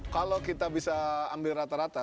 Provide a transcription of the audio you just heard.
kalau kita bisa ambil rata rata